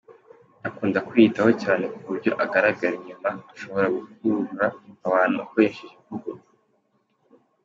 Akunda kwiyitaho cyane ku buryo agaragara inyuma, ashobora gukurura abantu akoresheje imvugo.